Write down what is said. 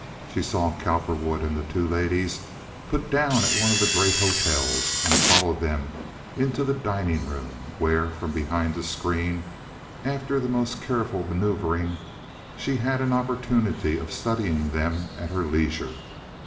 She saw Cowperwood and the two ladies put down at one of the great hotels, and followed them into the dining room, where, from behind a screen, after the most careful manoeuvering, she had an opportunity of studying them at her leisure.